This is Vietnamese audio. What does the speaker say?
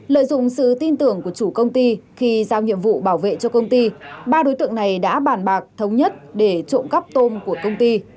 lợi dụng sự tin tưởng của chủ công ty khi giao nhiệm vụ bảo vệ cho công ty ba đối tượng này đã bàn bạc thống nhất để trộm cắp tôm của công ty